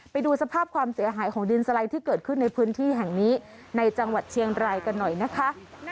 ไปดูสภาพความเสียหายของดินสไลด์ที่เกิดขึ้นในพื้นที่แห่งนี้ในจังหวัดเชียงรายกันหน่อยนะคะ